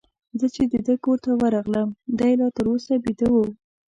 زه چي د ده کور ته ورغلم، دی لا تر اوسه بیده وو.